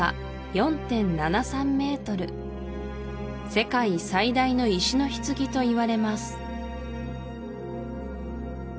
世界最大の石の棺といわれます